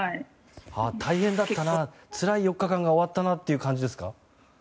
大変だったなつらい４日間が終わったなって感じですか？